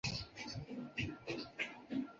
弘治十一年乡试中举。